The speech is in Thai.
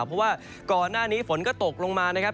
เพราะว่าก่อนหน้านี้ฝนก็ตกลงมานะครับ